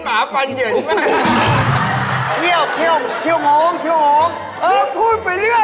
ไม่ได้